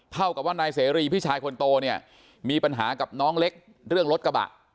เท่ากับว่านายเสรีพี่ชายคนโตเนี่ยมีปัญหากับน้องเล็กเรื่องรถกระบะ